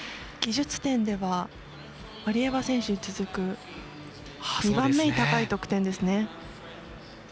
技術点ではワリエワ選手に続く２番目に高い得点ですね。